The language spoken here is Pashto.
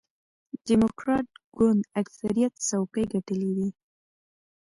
ډیموکراټ ګوند اکثریت څوکۍ ګټلې وې.